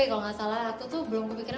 kalo gak salah aku tuh belum kepikiran